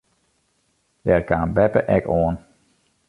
Dêr kaam beppe ek oan.